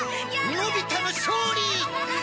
のび太の勝利！